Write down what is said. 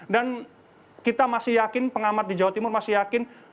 dan kita masih yakin pengamat di jawa timur masih yakin